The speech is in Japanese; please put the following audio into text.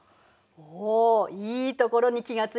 おいいところに気が付いたわね。